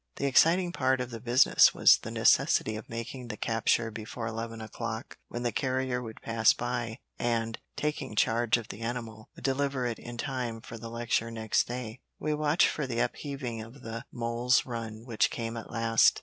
The exciting part of the business was the necessity of making the capture before eleven o'clock, when the carrier would pass by, and, taking charge of the animal, would deliver it in time for the lecture next day. We watched for the upheaving of the mole's run which came at last.